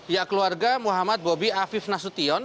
ya keluarga muhammad bobi afif nasution